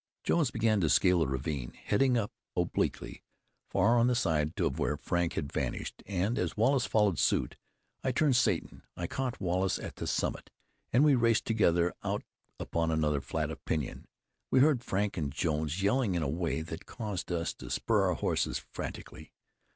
Jones began to scale the ravine, heading up obliquely far on the side of where Frank had vanished, and as Wallace followed suit, I turned Satan. I caught Wallace at the summit, and we raced together out upon another flat of pinyon. We heard Frank and Jones yelling in a way that caused us to spur our horses frantically.